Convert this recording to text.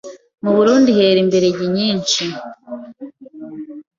Mu Burunndi heri imberege nyinshi